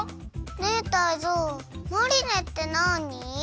ねえタイゾウマリネってなに？